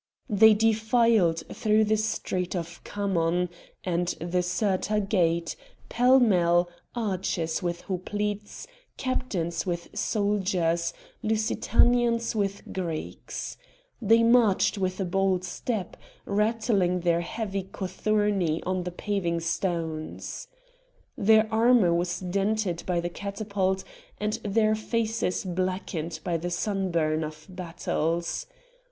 They defiled through the street of Khamon, and the Cirta gate, pell mell, archers with hoplites, captains with soldiers, Lusitanians with Greeks. They marched with a bold step, rattling their heavy cothurni on the paving stones. Their armour was dented by the catapult, and their faces blackened by the sunburn of battles.